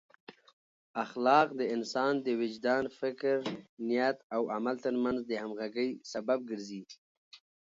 اخلاق د انسان د وجدان، فکر، نیت او عمل ترمنځ د همغږۍ سبب ګرځي.